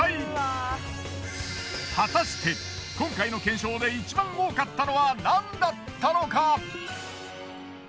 果たして今回の検証でいちばん多かったのはなんだったのか？